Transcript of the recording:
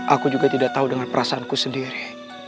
aku juga tidak tahu dengan perasaanku sendiri